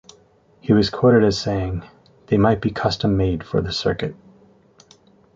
He was quoted as saying, They might be custom made for the circuit.